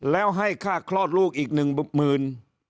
แล้วให้ค่าคลอดลูกอีกหนึ่งหมื่น